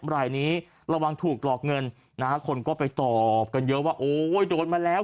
รายนี้ระวังถูกหลอกเงินนะฮะคนก็ไปตอบกันเยอะว่าโอ้ยโดนมาแล้ว